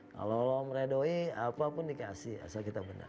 kalau meredoi apapun dikasih asal kita benar